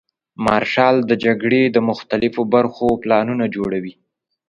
مارشال د جګړې د مختلفو برخو پلانونه جوړوي.